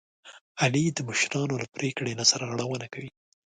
علي د مشرانو له پرېکړې نه سرغړونه کوي.